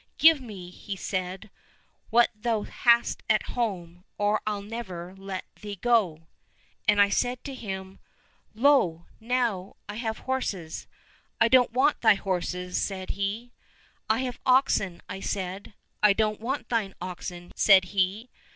' Give me,' said he, ' what thou hast at home, or I'll never let thee go !'— ^And I said to him, ' Lo ! now, I have horses.' —' I don't want thy horses !' said he. —' I have oxen,' I said. —' I don't want thine oxen !' said he.